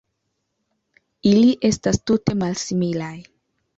Ili estas tute malsimilaj.